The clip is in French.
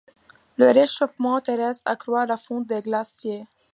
Le réchauffement terrestre accroît la fonte des glaciers.